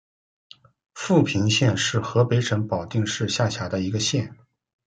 阜平县是河北省保定市下辖的一个县。